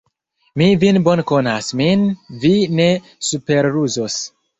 Mi vin bone konas, min vi ne superruzos!